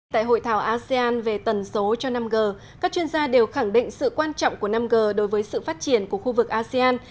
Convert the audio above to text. tại hội thảo asean về tần số cho năm g các chuyên gia đều khẳng định sự quan trọng của năm g đối với sự phát triển của khu vực asean